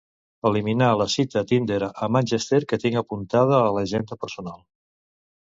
Eliminar la cita Tinder a Manchester que tinc apuntada a l'agenda personal.